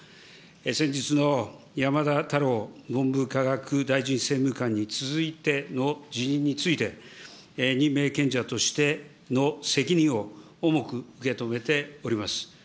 先日の山田太郎文部科学大臣政務官に続いての辞任について、任命権者としての責任を重く受け止めております。